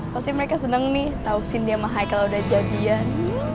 pasti mereka seneng nih tausin dia sama hai kalau udah jadian